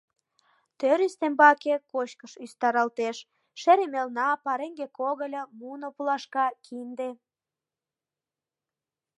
Тӧр ӱстембаке кочкыш ӱстаралтеш: шере мелна, пареҥге когыльо, муно пулашка, кинде...